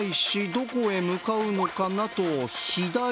どこに向かうのかなと左？